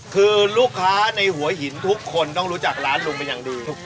คือลูกค้าในหัวหินทุกคนต้องรู้จักร้านลุงเป็นอย่างดี